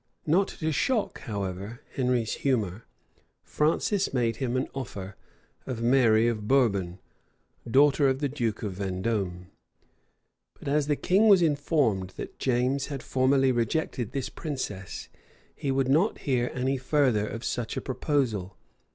Not to shock, however, Henry's humor, Francis made him an offer of Mary of Bourbon, daughter of the duke of Vendôme; but as the king was informed that James had formerly rejected this princess he would not hear any further of such a proposal.